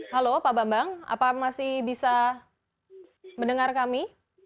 halo pak bambang apa masih bisa mendengar kami